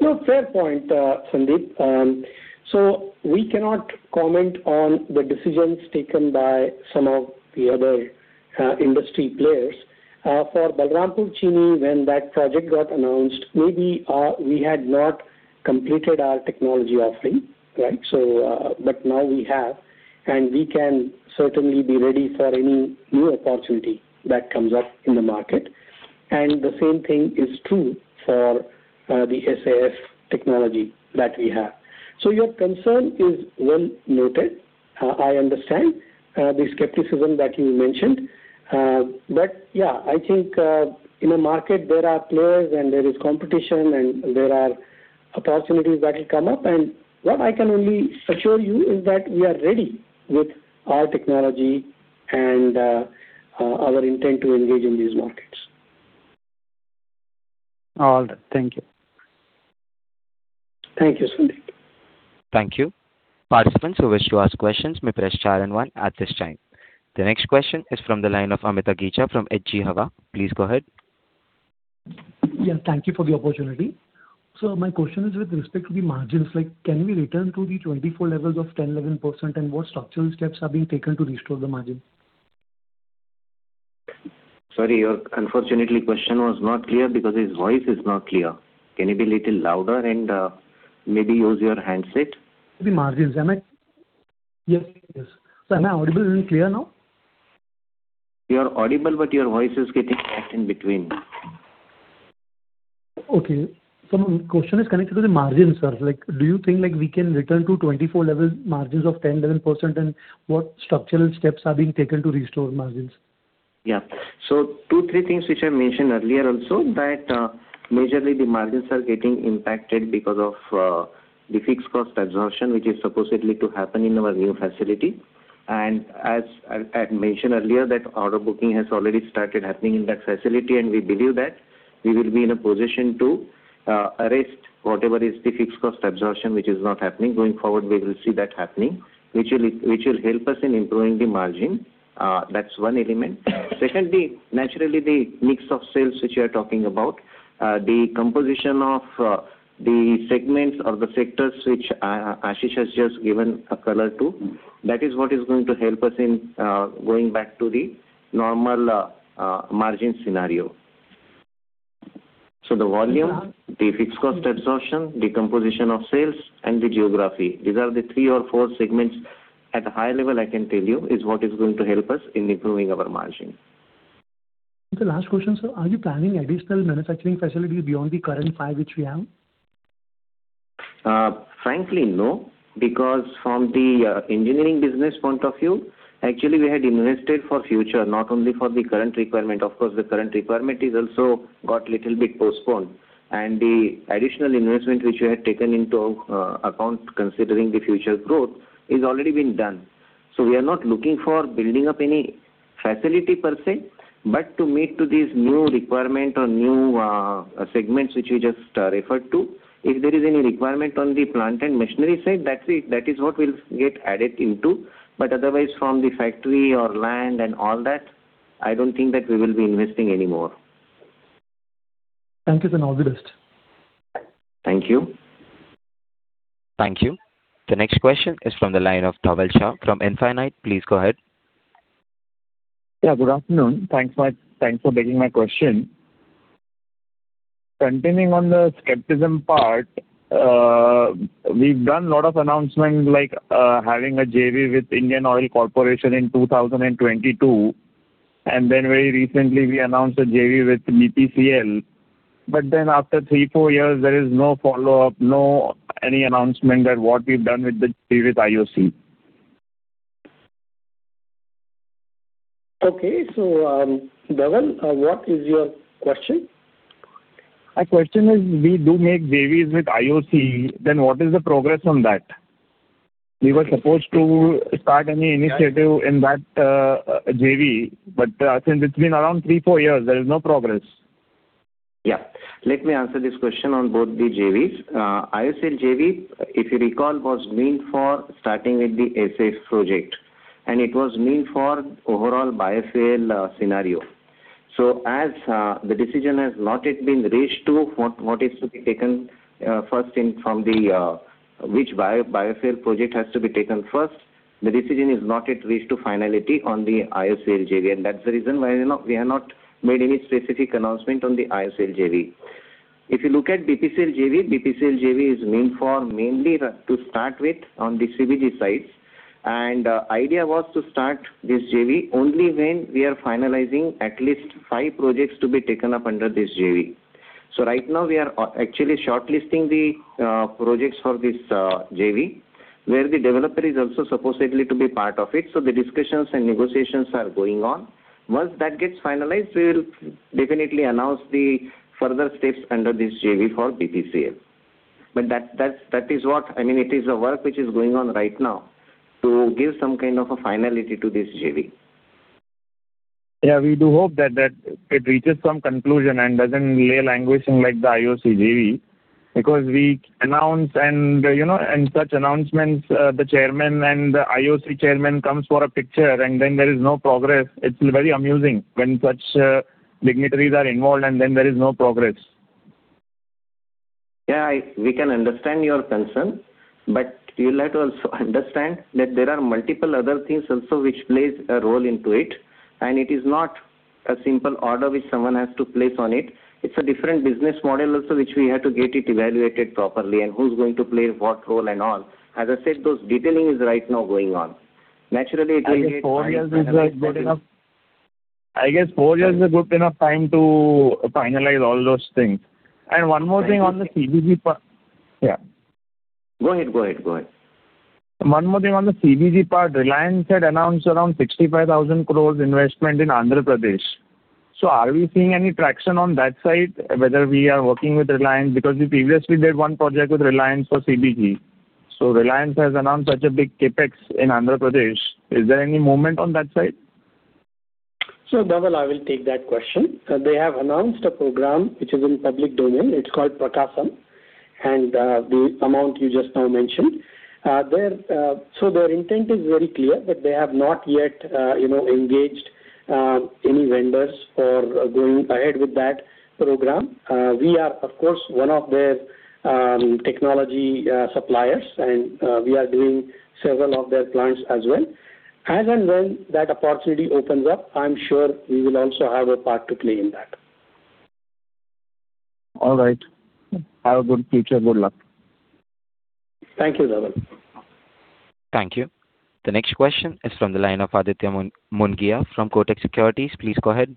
No, fair point, Sandeep. So we cannot comment on the decisions taken by some of the other industry players. For Balrampur Chini, when that project got announced, maybe we had not completed our technology offering, right? So, but now we have, and we can certainly be ready for any new opportunity that comes up in the market. And the same thing is true for the SAF technology that we have. So your concern is well noted. I understand the skepticism that you mentioned. But, yeah, I think in a market, there are players, and there is competition, and there are opportunities that will come up. And what I can only assure you is that we are ready with our technology and our intent to engage in these markets. All right. Thank you. Thank you, Sandeep. Thank you. Participants who wish to ask questions may press star and one at this time. The next question is from the line of Amit Agicha from HG Hava. Please go ahead. Yeah, thank you for the opportunity. So my question is with respect to the margins, like, can we return to the 24 levels of 10%-11%, and what structural steps are being taken to restore the margin? Sorry, unfortunately, your question was not clear because his voice is not clear. Can you be a little louder and, maybe use your handset? The margins, am I... Yes, yes. So am I audible and clear now? You are audible, but your voice is getting cut in between. Okay. So my question is connected to the margin, sir. Like, do you think, like, we can return to 24 level margins of 10%-11%, and what structural steps are being taken to restore margins? Yeah. So two, three things which I mentioned earlier also, that, majorly the margins are getting impacted because of, the fixed cost absorption, which is supposedly to happen in our new facility. And as I, I mentioned earlier, that order booking has already started happening in that facility, and we believe that we will be in a position to, arrest whatever is the fixed cost absorption, which is not happening. Going forward, we will see that happening, which will, which will help us in improving the margin. That's one element. Secondly, naturally, the mix of sales which you are talking about, the composition of, the segments or the sectors which, Ashish has just given a color to, that is what is going to help us in, going back to the normal, margin scenario. The volume, the fixed cost absorption, the composition of sales, and the geography. These are the three or four segments at a high level, I can tell you, is what is going to help us in improving our margin. The last question, sir: Are you planning additional manufacturing facility beyond the current five which we have? Frankly, no, because from the, Engineering business point of view, actually, we had invested for future, not only for the current requirement. Of course, the current requirement is also got little bit postponed, and the additional investment which we had taken into, account considering the future growth, is already been done. So we are not looking for building up any facility per se, but to meet to these new requirement or new, segments which you just, referred to. If there is any requirement on the plant and machinery side, that's it. That is what will get added into. But otherwise, from the factory or land and all that, I don't think that we will be investing any more. Thank you. Then all the best. Thank you. Thank you. The next question is from the line of Dhaval Shah from Infinity. Please go ahead. Yeah, good afternoon. Thanks much. Thanks for taking my question. Continuing on the skepticism part, we've done a lot of announcements, like, having a JV with Indian Oil Corporation in 2022, and then very recently, we announced a JV with BPCL. But then after three to four years, there is no follow-up, no any announcement that what we've done with the previous IOC? Okay, so, Dhaval, what is your question? My question is, we do make JVs with IOC, then what is the progress on that? We were supposed to start any initiative in that, JV, but, since it's been around three, four years, there is no progress. Yeah. Let me answer this question on both the JVs. IOCL JV, if you recall, was meant for starting with the SAF project, and it was meant for overall biofuel scenario. So as the decision has not yet been reached to what, what is to be taken first in from the which biofuel project has to be taken first, the decision is not yet reached to finality on the IOCL JV, and that's the reason why, you know, we have not made any specific announcement on the IOCL JV. If you look at BPCL JV, BPCL JV is meant for mainly the, to start with, on the CBG sites. And idea was to start this JV only when we are finalizing at least five projects to be taken up under this JV. So right now we are actually shortlisting the projects for this JV, where the developer is also supposedly to be part of it, so the discussions and negotiations are going on. Once that gets finalized, we will definitely announce the further steps under this JV for BPCL. But that, that's, that is what-- I mean, it is a work which is going on right now to give some kind of a finality to this JV. Yeah, we do hope that, that it reaches some conclusion and doesn't lay languishing like the IOC JV, because we announce and, you know, and such announcements, the chairman and the IOC chairman comes for a picture, and then there is no progress. It's very amusing when such, dignitaries are involved, and then there is no progress. Yeah, we can understand your concern, but you'll have to also understand that there are multiple other things also which plays a role into it, and it is not a simple order which someone has to place on it. It's a different business model also, which we have to get it evaluated properly, and who's going to play what role and all. As I said, those detailing is right now going on. Naturally, it will take time. I guess four years is a good enough. I guess four years is a good enough time to finalize all those things. And one more thing on the CBG part. Yeah. Go ahead, go ahead, go ahead. One more thing on the CBG part. Reliance had announced around 65,000 crore investment in Andhra Pradesh. So are we seeing any traction on that side, whether we are working with Reliance? Because we previously did one project with Reliance for CBG. So Reliance has announced such a big CapEx in Andhra Pradesh. Is there any movement on that side? So, Dhaval, I will take that question. They have announced a program which is in public domain. It's called Prakasam, and, the amount you just now mentioned. Their intent is very clear, but they have not yet, you know, engaged, any vendors for going ahead with that program. We are, of course, one of their, technology, suppliers, and, we are doing several of their clients as well. As and when that opportunity opens up, I'm sure we will also have a part to play in that. All right. Have a good future. Good luck. Thank you, Dhaval. Thank you. The next question is from the line of Aditya Mongia from Kotak Securities. Please go ahead.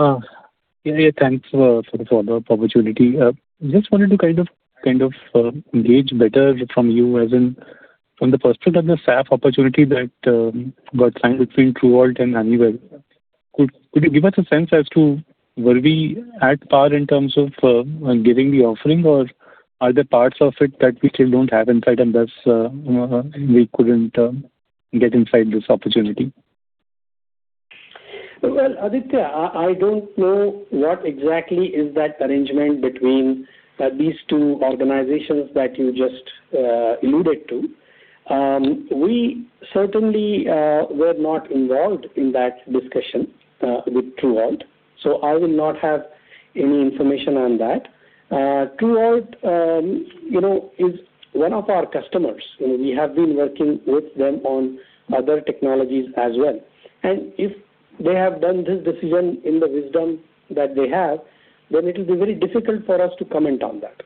Yeah, yeah, thanks for the opportunity. Just wanted to kind of gauge better from you, as in from the perspective of the SAF opportunity that got signed between TruAlt and Honeywell. Could you give us a sense as to were we at par in terms of giving the offering, or are there parts of it that we still don't have inside, and thus we couldn't get inside this opportunity? Well, Aditya, I don't know what exactly is that arrangement between these two organizations that you just alluded to. We certainly were not involved in that discussion with TruAlt, so I will not have any information on that. TruAlt, you know, is one of our customers. You know, we have been working with them on other technologies as well. And if they have done this decision in the wisdom that they have, then it will be very difficult for us to comment on that.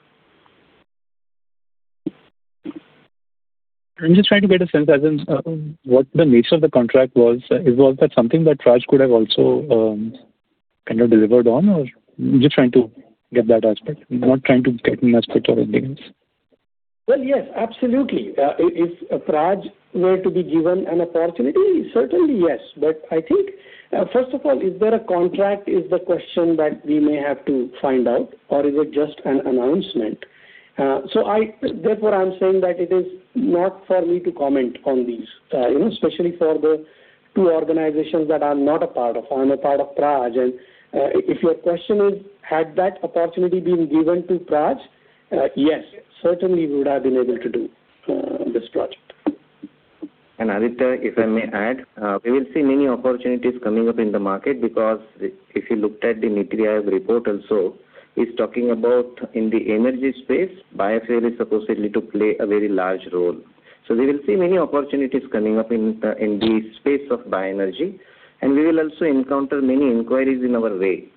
I'm just trying to get a sense, as in, what the nature of the contract was. Was that something that Praj could have also, kind of delivered on? Or just trying to get that aspect. I'm not trying to get in between your business. Well, yes, absolutely. If Praj were to be given an opportunity, certainly, yes. But I think, first of all, is there a contract? Is the question that we may have to find out, or is it just an announcement? Therefore, I'm saying that it is not for me to comment on these, you know, especially for the two organizations that I'm not a part of. I'm a part of Praj, and if your question is, had that opportunity been given to Praj? Yes, certainly we would have been able to do this project. Aditya, if I may add, we will see many opportunities coming up in the market because if you looked at the NITI Aayog report also, it's talking about in the energy space, biofuel is supposedly to play a very large role. So we will see many opportunities coming up in the space of BioEnergy, and we will also encounter many inquiries in our way.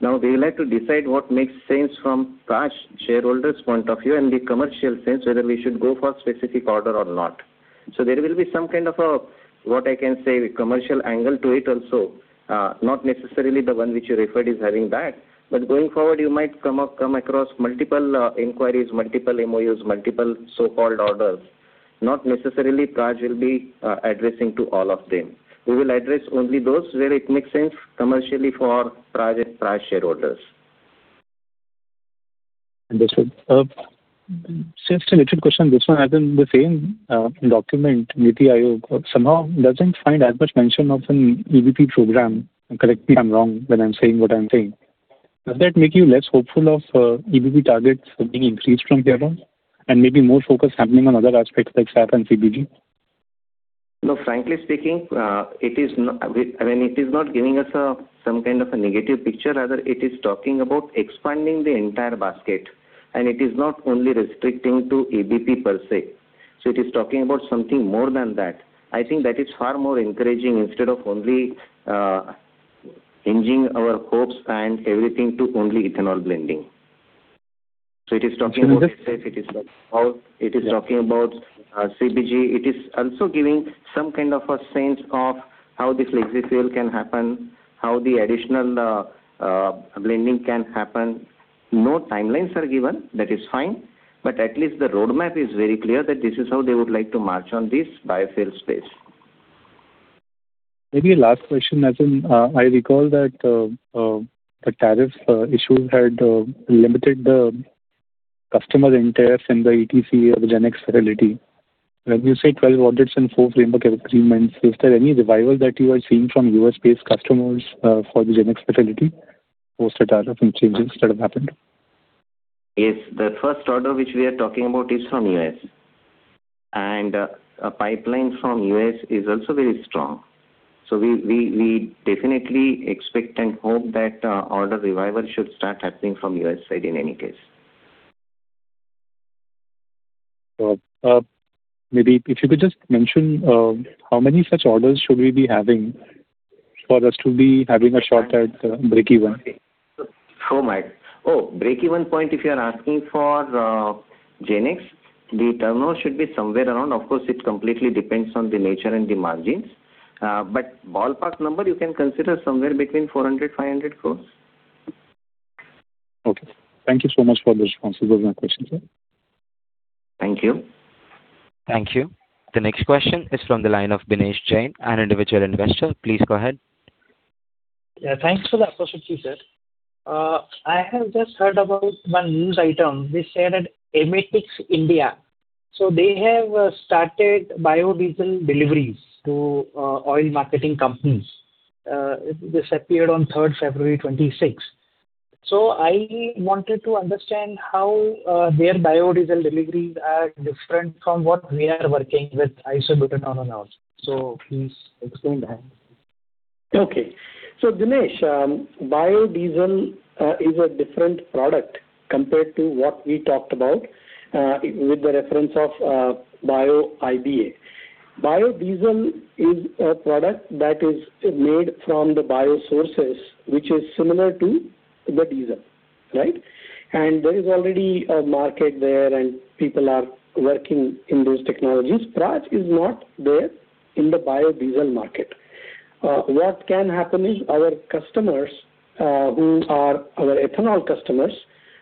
Now, we will have to decide what makes sense from Praj shareholders' point of view and the commercial sense, whether we should go for specific order or not. So there will be some kind of a, what I can say, a commercial angle to it also. Not necessarily the one which you referred is having that, but going forward, you might come across multiple inquiries, multiple MOUs, multiple so-called orders. Not necessarily Praj will be addressing to all of them. We will address only those where it makes sense commercially for Praj and Praj shareholders. Understood. Just a little question. This one has been the same document, NITI Aayog, somehow doesn't find as much mention of an EBP program. Correct me if I'm wrong, when I'm saying what I'm saying. Does that make you less hopeful of EBP targets being increased from there on, and maybe more focus happening on other aspects like SAF and CBG? No, frankly speaking, I mean, it is not giving us some kind of a negative picture. Rather, it is talking about expanding the entire basket, and it is not only restricting to EBP per se. So it is talking about something more than that. I think that is far more encouraging instead of only hinging our hopes and everything to only ethanol blending. So it is talking about CBG. It is also giving some kind of a sense of how this flexi-fuel can happen, how the additional blending can happen. No timelines are given, that is fine, but at least the roadmap is very clear that this is how they would like to march on this biofuel space. Maybe a last question, as in, I recall that, the tariff issues had limited the customer interest in the EPC or the GenX facility. When you say 12 orders and four framework agreements, is there any revival that you are seeing from U.S.-based customers, for the GenX facility, post the tariff and changes that have happened? Yes, the first order which we are talking about is from U.S., and a pipeline from U.S. is also very strong. So we definitely expect and hope that order revival should start happening from U.S. side in any case. Maybe if you could just mention how many such orders should we be having for us to be having a shot at breakeven? How much? Oh, breakeven point, if you are asking for, GenX, the turnover should be somewhere around. Of course, it completely depends on the nature and the margins, but ballpark number, you can consider somewhere between 400 crore-500 crore. Okay. Thank you so much for the responses of my questions, sir. Thank you. Thank you. The next question is from the line of Dinesh Jain, an individual investor. Please go ahead. Yeah, thanks for the opportunity, sir. I have just heard about one news item which said that Aemetis India, so they have started biodiesel deliveries to oil marketing companies. This appeared on third February, 2026. So I wanted to understand how their biodiesel deliveries are different from what we are working with isobutanol announced. Please explain that. Okay. So, Dinesh, biodiesel is a different product compared to what we talked about with the reference of Bio-IBA. Biodiesel is a product that is made from the bio sources, which is similar to the diesel, right? And there is already a market there, and people are working in those technologies. Praj is not there in the biodiesel market. What can happen is our customers who are our ethanol customers,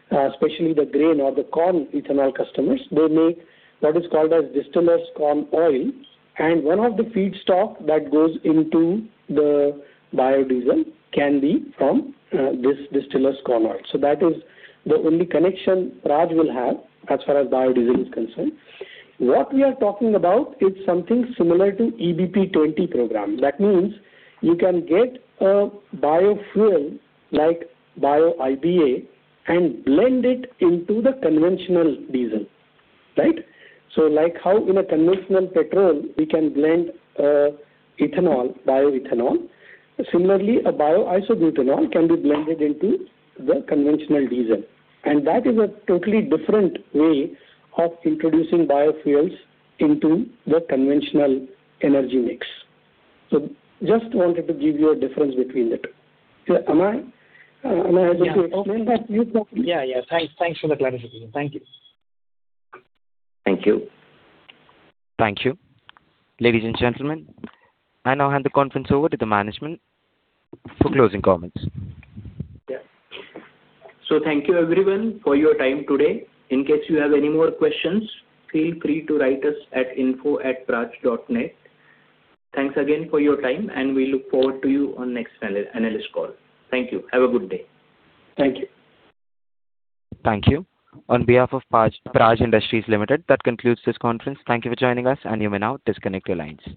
especially the grain or the corn ethanol customers, they make what is called a distillers corn oil, and one of the feedstock that goes into the biodiesel can be from this distillers corn oil. So that is the only connection Praj will have as far as biodiesel is concerned. What we are talking about is something similar to EBP 20 program. That means you can get a biofuel like Bio-IBA and blend it into the conventional diesel, right? So like how in a conventional petrol, we can blend, ethanol, bioethanol. Similarly, a bio-isobutanol can be blended into the conventional diesel, and that is a totally different way of introducing biofuels into the conventional energy mix. So just wanted to give you a difference between the two. Am I, am I able to explain that to you properly? Yeah, yeah. Thanks, thanks for the clarification. Thank you. Thank you. Thank you. Ladies and gentlemen, I now hand the conference over to the management for closing comments. Yeah. So thank you everyone for your time today. In case you have any more questions, feel free to write us at info@praj.net. Thanks again for your time, and we look forward to you on next analyst call. Thank you. Have a good day. Thank you. Thank you. On behalf of Praj, Praj Industries Limited, that concludes this conference. Thank you for joining us, and you may now disconnect your lines.